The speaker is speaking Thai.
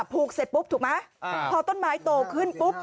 ผูกเสร็จปุ๊บถูกไหมพอต้นไม้โตขึ้นปุ๊บ